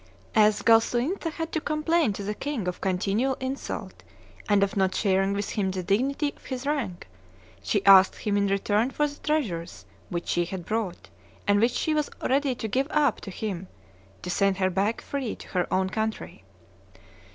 As Galsuinthe had to complain to the king of continual insult and of not sharing with him the dignity of his rank, she asked him in return for the treasures which she had brought, and which she was ready to give up to him, to send her back free to her own country.